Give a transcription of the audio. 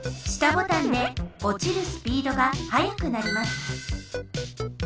下ボタンでおちるスピードがはやくなります。